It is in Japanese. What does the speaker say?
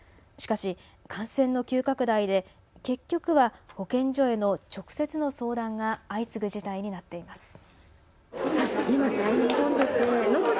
しかし感染の急拡大で結局は保健所への直接の相談が相次ぐ事態になっています。